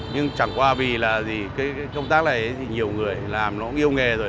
nhưng chẳng qua vì là gì công tác này nhiều người làm nó cũng yêu nghề rồi